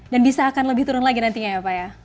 dan bisa akan lebih turun lagi nantinya ya pak ya